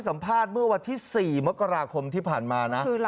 ก็ชี้แจงกับคนขายบอกว่า